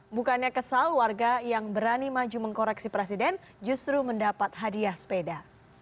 bukannya kesal warga yang berani maju mengkoreksi presiden justru mendapat hadiah sepeda